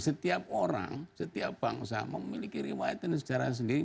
setiap orang setiap bangsa memiliki riwayat dan sejarah sendiri